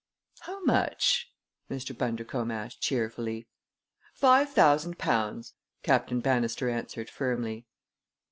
"How much?" Mr. Bundercombe asked cheerfully. "Five thousand pounds!" Captain Bannister answered firmly.